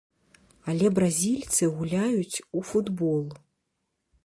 Але бразільцы гуляюць у футбол.